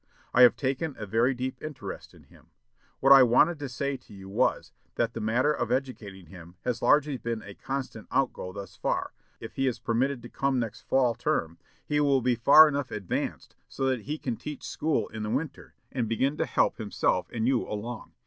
I have taken a very deep interest in him. What I wanted to say to you was, that the matter of educating him has largely been a constant outgo thus far, but, if he is permitted to come next fall term, he will be far enough advanced so that he can teach school in the winter, and begin to help himself and you along.